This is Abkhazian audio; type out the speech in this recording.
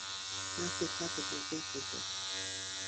Нас ухаҵоуп иуҟәуцозар.